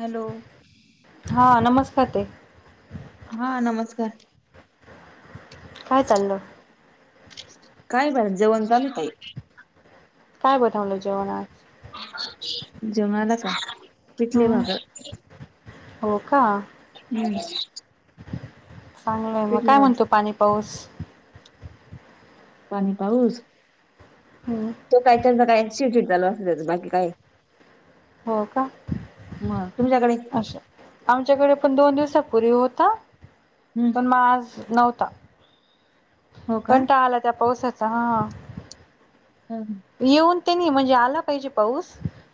Hello. हां नमस्कार ताई. हा नमस्कार. काय चालं? काय बर जेवण झालं ताई? काय बनवले जेवणात? जेवणाला काय? पिठली हम्म भाकर. हो का हम चांगलय मग काय भाकर म्हणतो पाणी पाऊस पाणी पाऊस ह तो काय त्यांचा [unintelligible] झाल त्याच बाकी काय हो का मग तुमच्याकडे आमच्याकडे पण दोन दिवस पूर्वी होता हम पण आज नव्हता हो का कंटाळा आला त्या पावसाचा हा हम येऊन ते नाही म्हणजे आला पाहिजे पाऊस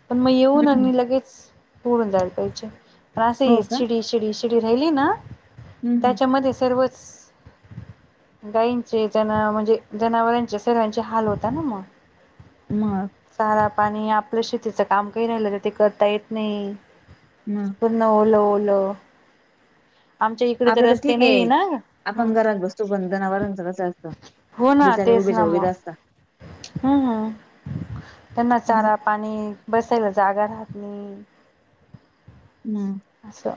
पण मग येऊन आणि लगेच पुरून जायला पाहिजे पण असं ये हो का शिडी, शिडी, शिडी राहिली ना हम्म हम्म. त्याच्यामध्ये सर्वच गाईींचे त्यांना म्हणजे जनावरांचे सर्वांचे हाल होता ना मग मग चारा पाणी आपलं शेतीचं काम काही राहिलं तर ते करता येत नाही हम न ओल, ओल आमच्या इकडे तर रस्ते नाहीय आहे ना आपण घरात बसतो पण जनावरांचं कसं असतं हो ना बिचारे तेच उभेच्या ना उभे मग असतात हम्म त्यांना असं चारा पाणी बसायला जागा राहत नाही हम्म असं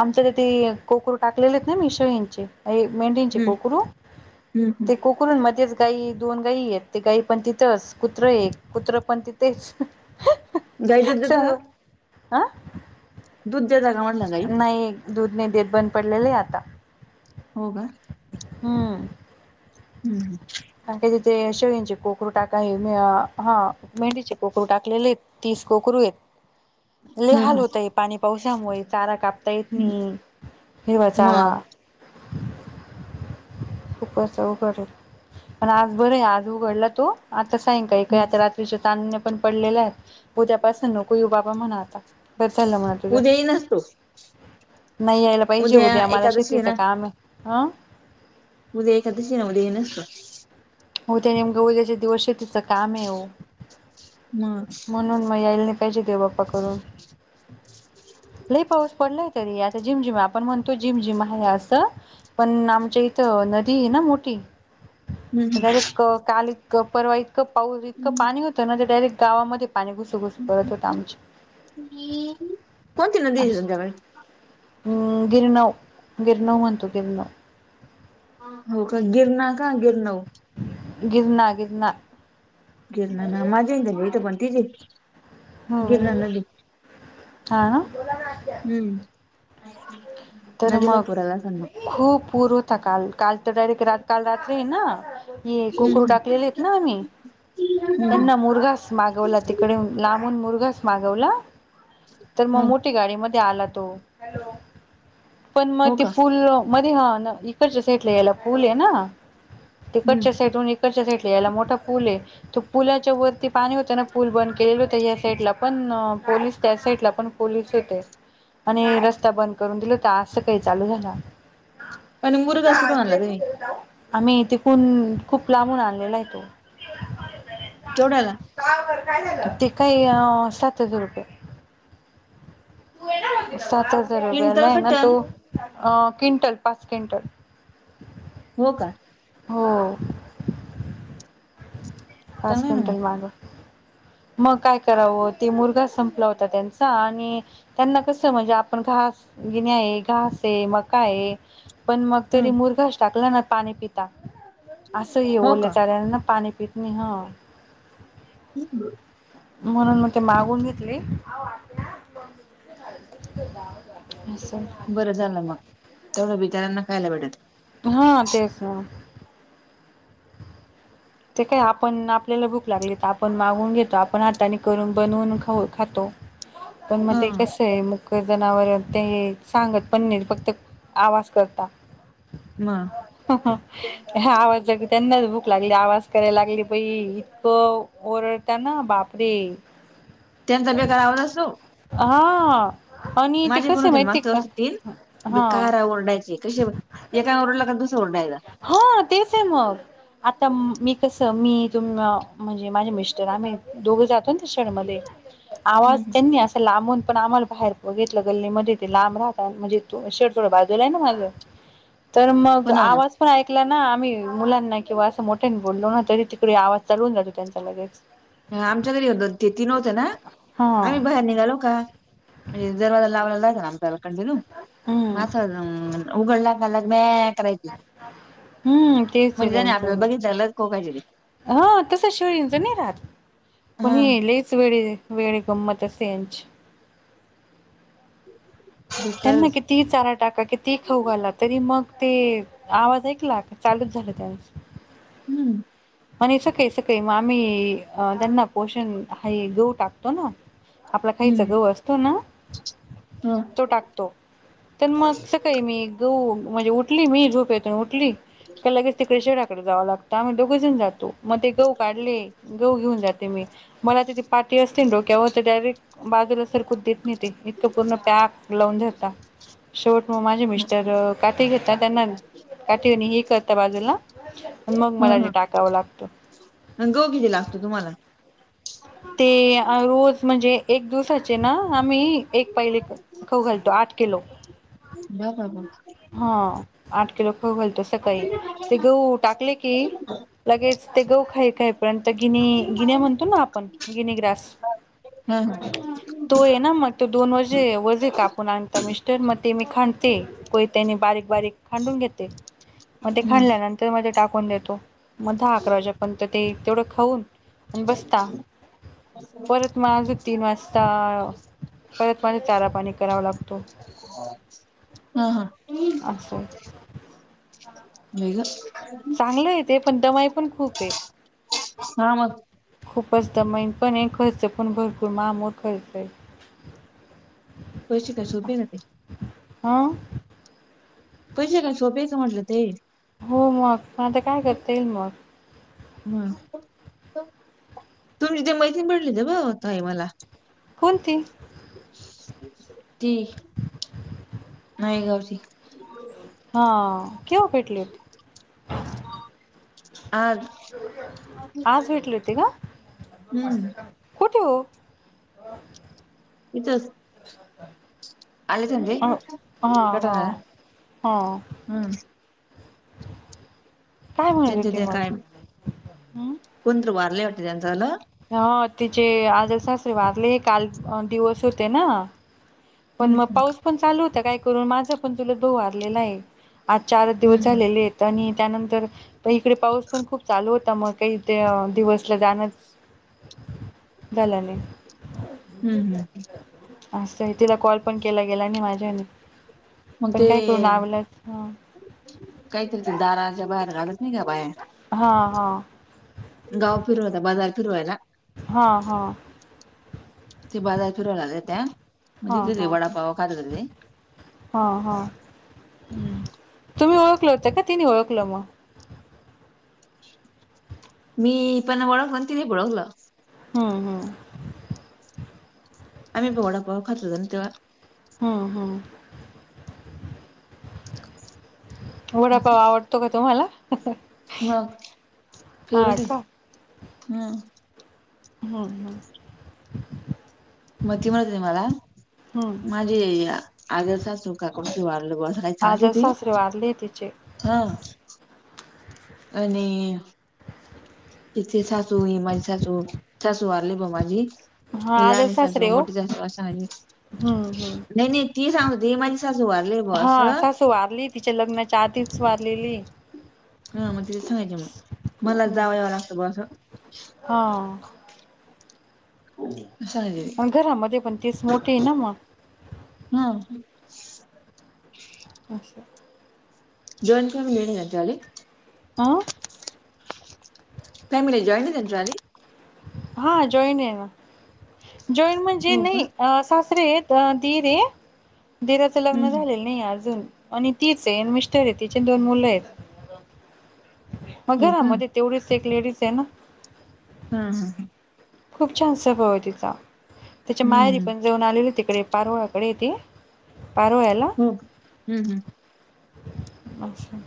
आमच्या कोकर टाकलेले आहेत ना [inaudible] यांंचे मेंढीचे हम्म कोकरू हम्म ते हम्म. कोकरु कुरण मध्येच गाई दोन गायी आहेत ते गाई पण तिथंच कुत्र एक कुत्र पण तिथेच गाई दूध देता का [unintelligible] आ दूध द्याता का म्हटलं गाई नाही दूध नाही देत बंद पडलेले आहे आता हो का? हम हम्म का काय तिथे शेळींचे कोकरू टाकाय मी हा मेंढीचे कोकरू टाकलेले आहेत तीस कोकरू ये लई हम्म हा हाल हा होतय पाणी पावसामुळे चारा कापता येत नाही हिरवा चारा मग खूप अवघड आहे पण आज बरं आहे आज उघडला तो आता सायंकाळी काय हम्म. आता रात ञीच्या चांदण्या पण पडलेले आहेत उद्या पासून नको येवू बाबा म्हणा आता बरं चाललं म्हणा तुझ उद्या येईनच तो नाही यायला पाहिजे उद्या मला एकादशी आहे शेतीचं ना काम आहे आ उद्या एकादशी ना उद्या येणार का? उद्या येऊन मग उद्या दिवस शेतीचं काम आहे ओ मग म्हणून म यायला नाई पाहिजे देव बाप्पा करून [unintelligible] लई पाऊस पडलायं तरी, आता झिम- झिम आपण म्हणतो झिम -झिम आहे असं. पण आमच्या इथं नदी आहे ना मोठी डायरेक्ट काल इतकं, परवा इतकं पाऊस इतकं हम्म पाणी होतं ना ते डायरेक्ट गावामध्ये पाणी घुसू-घुसू करत होतं आमचे कोणती नदी आहे अस तुमच्याकडे हूं.. गिरणव, गिरणव म्हणतो गिरणौ. हां, हा. गिरणार का गिरणव? गिरनार, गिरनार. गिरनार ना माझ्या इथ पण तिथे हं... हा, ना. हुं... तर मग खूप पुर होता काल, काल तर डायरेक्ट रा काल रात्री हय ना ये कोकरू हम्म टाकलेले आहेत ना आम्हीं त्यांना मु्रघास मागवला तिकडून लांबून मुरघास मागवला तर मग हम्म मोठी गाडीमध्ये आला तो. पण मग हो ते का पूल मध्ये हा इकडच्या साईटला यायला पूल आहे ना. हम्म तिकडच्या साईटहून इकडच्या साईटला यायला मोठा फूल आहे. तो पुलाच्या वरती पाणी होत ना पूल बंद केलेलं होता या साईडला पण पोलीस त्या साईडला पण पोलीस होते आणि रस्ता बंद करून दिला होता आज सकाळी चालू झाला. आणि मुरघास कुठून आणला तुम्ही [unintelligible] आम्हीं तिकून खूप लांबून आणलेला आहे तो. केवढ्याला? ते काय अ सात हजार रुपये. सात हजार रुपयाला क्विंटल आहे का ना तो. टन अ क्विंटल पाच क्विंटल. हो, का. हो. पाच चांगलं आहे ना मग क्विंटल मागवला. मग काय करावं ते मुरघास संपला होता त्यांचा आणि त्यांना कस म्हणजे आपण घास गिणे आहे, घास आहे, मका आहे पण मग तरी हम्म मुरघास टाकला ना, पाणी पिता असं हे हो ओल्या का चाऱ्याना पाणी पिता नि हा. हम् म्हणून मग ते मागवून घेतली. अस बरं झालं मग तेवढं बिचार्याना खायला भेटेल. हा तेच ना, ते काय आपण आपल्याला भूक लागली तर, आपण मागवून घेतो, आपण हाताने करून बनवून खाऊ खातो. पण मग हा ते कसं ते मुकं जनावर ते सांगत पण नाही, फक्त आवाज करता. मग आवाज येतो त्यांनाच भूक लागली आवाज करायला लागली बई इतकं ओरडता ना बापरे! [unintelligible] हा... आणि ते माझे कसं गुरूजन, माहिती का मास्तर्स तीन. बी हा कारा ओरडायचे. कशे ब, एका ओरडला का दुसं ओरडायचा. हो तेचयै मग. आता मीग कसं मी, तुम म्हणजे माझे मिस्टर आम्ही दोघं जातो न त्या शेडमध्ये. आवाज त्यांनी आस लांबून पण आम्हाला बाहेर बघेतलं गल्ली मध्ये ते लांब राहता म्हणजे तू शेड थोडं बाजूला आहे ना माझं. तर मग, पण हो ना आवाज पण ऐकला ना आम्ही. मुलांना किंवा असं मोठ्यांनी. बोंला ना, तरी तिकडे आवाज चढवून जातो त्यांचा लगेच. ह आमच्या घरी होत ते, तीन होत ना. हा आम्ही बाहेर निघालो का? म्हणजे दरवाजा लावायला लागलना आपल्याला. कंडलुम हम्म मातरम्, उघडला कालांग मॅ.. अॅ.. करायची. हम्म म्हणजे त्यांनी आपल्याला बघितल्यालं, कोगाजीरी. ह तस शेळींच नई राहात, पण हा हे लईच वेडेदे वेणी गंमत सेंच बेकार त्यांना कित ती चारा टाका कीती खाऊघाला तरी मग ते आवाज ऐकला की चालूच झाल त्यांच. हम्म्. म्हणे सकाळी सकाळी म आम्ही अ त्यांना पोषण हाई गहू टाकतो न. आपला खाईचा हम्म गहू असतो न, ह तो टाक तो. तर मग सकाळी मी गहू म्हणजे उठली मी झोपेतून उठली का, लगेच तिकडे शहराकडे जावं लागत आमी दु कुजून जातो. म ते गहू काढले, गहू घेऊन जाते मी. मला तिथे पाठी असते डोक्यावर ते डायरेक्ट बाजूला सरकून देत नाही ते. इतकं पूर्ण पॅक लावून धरतात. शेवट मग माझे मिस्टर अ काठीे घेतात त्यांना ना. काठीवाणी हे करता बाजूला, अन मग मला ते टाकावं लागतं. अन गवू किती लागतो तुम्हाला. ते.. ए आ रोज म्हणजे एक दिवसाचे ना. आम्ही एक पाईले खाऊ घालतो, आठ किलो. बा बा बा बा. हा आठ किलो खाऊ घालतो सकाळी. ते गहू टाकले की लगेच ते गऊ खाय काय पण. ते गिणी गिण्या म्हणतो ना आपण, गिनी ग्रास. हा हा तो एन मग. तो दोन वजे, वजे कापून आणता मिस्टर. म ते मी खांडते. कोयत्यांनी बारीक बारीक खांडून घेते. मग ते हम्म खांडल्यानंतर ते मध्ये टाकून देतो. म धा-आकरावाजे पण त ते तेवढं खाऊन बसता. परत माझं तीन वाजता आ, परत पाणी चारा पाणी करावा लागतो. आं हा. फोन. लैलस. चांगलं यै ते पण दमाय पण खूप यै. सा मग. खूपचं दमयन पणयै. खर्च पण भरपूर महामोठा येतोय. पैशे काय सोपे ना ते. हं पैसे काय सोपेयचं म्हणलं ते. हो मग? म आता काय करता येईल मग? हं. तुम्ही ते मैत्रीण भेटली होती ब ताई मला. कोणती? ती नायगावची. हा. केव्हा भेटली होती? आज आज भेटली होती का? हम्म कुठे ओ? इथंच. आले त्यांन [unintelligible] हा. ते हा. हा. कटाळा हा. हम्म. काय म्हणत त्यांच्या होती ते मग? काय, कोणतर वारलय वाटतं त्यांचावालं. हां. तिचे आजेसासरे वारले. काल दिवस होते ना? पण म हम्म पाऊस पण चालू होता काय करू? माझापण त चुलत भाऊ वारलेला ए. आज चारच दिवस हम्म. झालेलेएत. आणि त्यानंतर प इकडे पाऊस पण खूप चालू होता म काही ते दिवसला जाणं- झालं नाही. हम्म असंय. तिला कॉल पण केला गेला नाही माझ्याने. मग ते पण काय करू नावलाच हा -काहीतरी ते दाराच्या बाहेर घाला- नाही का बाया? हा गाव फिरून येता बाजार फिरवायला? हा. हा. ते बाजार फिरवायलाले त्या. हा म्हणजे तिथे हा वडापाव खात होते ते. हा हा हम्म. तुम्ही ओळखलं होत का तिने ओळखलं म? मी पण वळखलं आणि तिनी बी वळखलं. हम् हम्. आम्हीपण वडापाव खात होतो ना तेव्हा. हम हम्. वडापाव आवडतो का तुम्हाला? मग हा फेवरेट ए. का हम्म. हम्म. हम्. म ती म्हटली मला. माझी आजेसासु का कोण ते वारल बुवा. आजेसासरे वारले ए तिचे. हं. आणि- तिची सासू ही माझी सासू, सासू वारली बुवा माझी. हा ही आदर लहानी सासरे सासू, हो मोठी सासू असं आणि हम्म हम्म नाही नाही. ती सांगत ती माझी सासू वारली. ब हां. असं सासू वारलीए तिची. तिच्या लग्नाच्या आधीच वारलेली ए. हा. मग ति तेच म्हणायची म. मलाच जावं यावं लागतं बुवा असं. हां. हो. पण घरामध्ये पण तीच मोठठी ए ना मग? हम्म. अस. जॉईंट फॅमिली ए ना तुझ्यावाली? आं? फॅमिली जॉइंट त्यांच्यात. हा जॉईन आहे ना जॉईन म्हणजे हो का नाही सासरे आहेत. तर दिरे दिराचं हम्म लग्न हम्म झालेल. नाही अजून आणि तीच आहे मिस्टर आहे तिचे दोन मुलं आहेत. मग हो का घरामध्ये तेवढीच एक लेडीज आहे ना. हा हा हा खूप छान स्वभाव तिचा त्याच्या हम्म मायरी हम्म पण जाऊन आलेले तिकडे पारोळ्याकडे तेे पारोळ्याला हो हम्म हम्म अच्छा!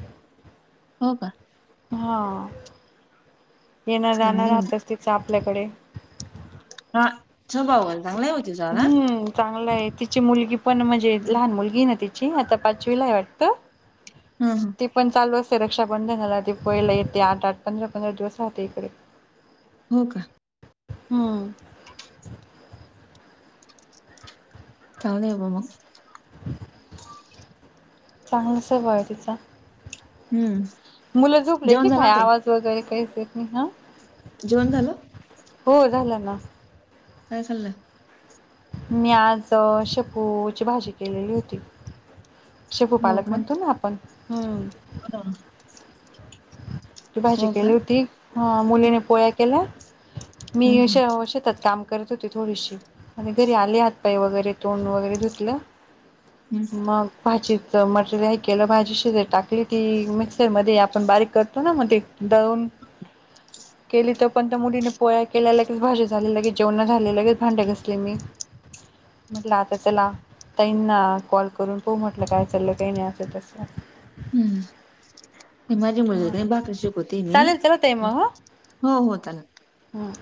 हो का. हा येणं जाणं चांगली मग राहतच तिचं आपल्याकडे. हा जाउ आपण. हम्म चांगला आहे तिची मुलगी पण म्हणजे लहान मुलगी ना ति ची हां तर पाचवीला वाटतं. हा हा ती पण चालू असते रक्षाबंधनाला ती दिपवाळीला येते आठ आठ पंधरा पंधरा दिवस राहते इकडे. हो का हम्म चांले बाबा मग. [inaudible] चांगलं स्वभाव आहे तिचा. हम्म मुलं झोपले जेवण की झालं काय ताई आवाज वगैरे काहीच देत नाही हा. जेवण झालं. हो झालं ना. काय झालं ‌ मी आज शेपूची भाजी केलेली होती. शेफूपालक का म्हणतो ना आपण हम्म. हो त भाजी हो का केली होती मुलीने पोळ्या केल्या मी हम्म हम्म अ शेतात काम करत होते थोडीशी आणि घरी आले हातपाइ वगैरे तोंड वगैरे धुतलं. हम्म मग भाजीच मटेरि केलं भाजी श टाकली ती मिक्सर मध्ये आपण बारीक करतो ना मग ते दळुन. केली तर पण त्या मुलीने पोळ्या केल्या लगेच भाजी झाले लगेच जेवण झाले लगेच भांडे घसले मी. म्हटला आता चला. ताईना कॉल करून पोहु म्हटलं काय चालं ते नाही असं तसं. हम्म माझी मुलीला भाकीरी शिकवते मी चालेल चला हो हो. हां